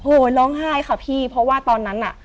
โอ้โหร้องไห้ค่ะพี่เพราะว่าตอนนั้นน่ะ